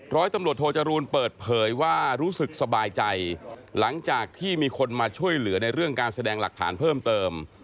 ร้อยตำรวจโทจรูลเปิดเผยว่ารู้สึกสบายใจหลังจากที่มีคนมาช่วยเหลือในเรื่องการแสดงหลักฐานเพิ่มเติม